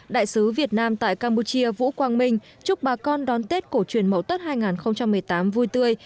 đại sứ việt nam tại campuchia vũ quang minh chúc bà con đón tết cổ truyền mậu tất hai nghìn một mươi tám vui tươi